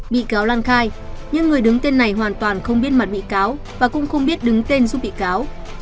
bị cáo lan khai nhưng người đứng tên này hoàn toàn không biết mặt bị cáo và cũng không biết đứng tên giúp bị cáo